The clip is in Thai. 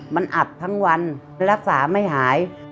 มันอับทั้งวันรักษาไม่หาย